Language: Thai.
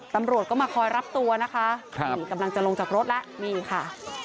ตำรวจก็มาคอยรับตัวนะคะนี่กำลังจะลงจากรถแล้วนี่ค่ะ